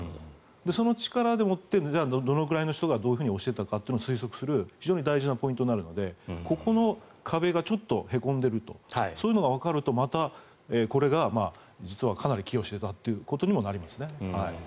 その力でもってどのぐらいの人がどういうふうに押していたかというのがわかる非常に大事なポイントになるのでここの壁がちょっとへこんでいるとそういうのがわかるとまた、これが実はかなり寄与していたということにもなりますね。